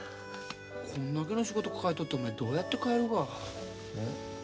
こんだけの仕事抱えとってお前どうやって帰るが？